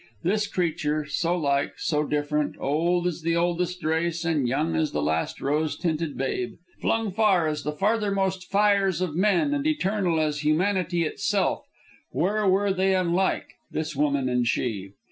This creature, so like, so different; old as the oldest race, and young as the last rose tinted babe; flung far as the farthermost fires of men, and eternal as humanity itself where were they unlike, this woman and she?